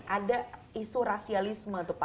ada isu rasialisme tuh pak